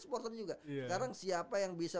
supporter juga sekarang siapa yang bisa